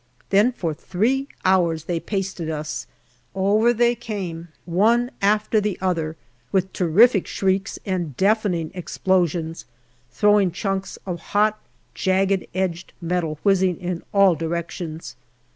Then for three hours they pasted us : over they came, one after the other, with terrific shrieks and deafen ing explosions, throwing chunks of hot jagged edged metal whizzing in all directions.